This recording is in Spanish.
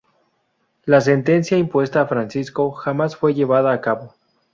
La sentencia impuesta a Francisco jamás fue llevada a cabo.